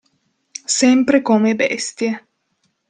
Sempre come bestie.